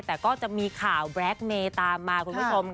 แต่ก็จะมีข่าวแบล็คเมย์ตามมาคุณผู้ชมค่ะ